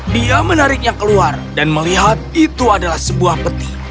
dia menariknya keluar dan melihat itu adalah sebuah peti